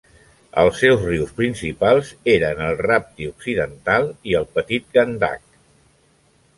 Els seus rius principals eren el Rapti Occidental i el Petit Gandak.